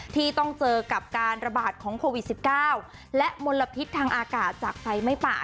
ที่ต้องเจอกับการระบาดของโควิด๑๙และมลพิษทางอากาศจากไฟไหม้ป่า